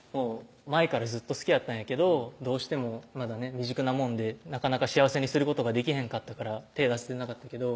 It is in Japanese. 「前からずっと好きやったんやけどどうしてもまだね未熟なもんでなかなか幸せにすることができへんかったから手出してなかったけど」